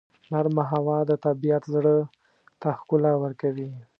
نرمه هوا د طبیعت زړه ته ښکلا ورکوي.